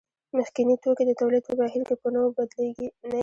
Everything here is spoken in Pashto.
مخکیني توکي د تولید په بهیر کې په نویو بدلېږي